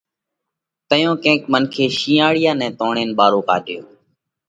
تئيون ڪينڪ منکي شِينئاۯيا نئہ توڻينَ ٻارو ڪاڍيو